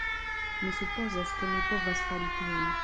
Mi supozas ke mi povas fari tion!